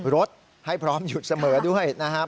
รถให้พร้อมหยุดเสมอด้วยนะครับ